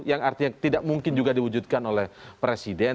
yang artinya tidak mungkin juga diwujudkan oleh presiden